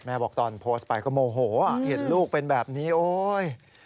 บอกตอนโพสต์ไปก็โมโหเห็นลูกเป็นแบบนี้โอ๊ย